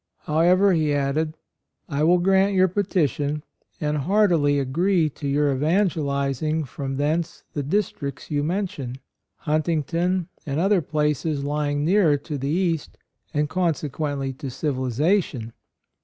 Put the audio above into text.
How ever, he added: "I will grant your petition, and heartily agree to your evangelizing from thence the districts you mention — AND MOTHER 83 Huntington and other places lying nearer to the East, and consequently to civilization."